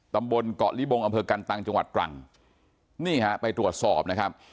ตำบลเกาะลิบงอำเภอกันตังจังหวัดตรังนี่ฮะไปตรวจสอบนะครับ